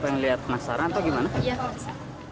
apa yang lihat masalah atau gimana